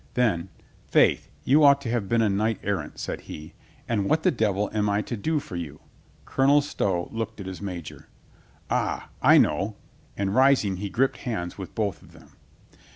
Then, "Faith, you ought to have been a knight errant," said he. "And what the devil am I to do for you?" Colonel Stow looked at his major. "Ay, I know," and rising he gripped hands with both of them.